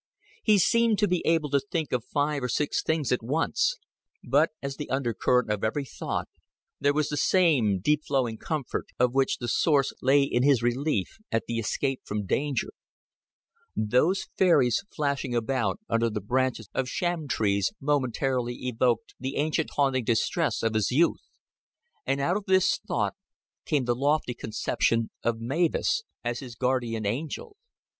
He seemed to be able to think of five or six things at once; but, as the undercurrent of every thought, there was the same deep flowing comfort, of which the source lay in his relief at the escape from danger. Those fairies flashing about under the branches of sham trees momentarily evoked the ancient haunting distress of his youth, and out of this thought came the lofty conception of Mavis as his guardian angel.